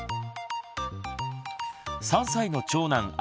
３歳の長男あ